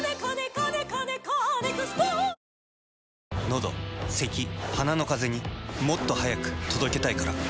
のどせき鼻のカゼにもっと速く届けたいから。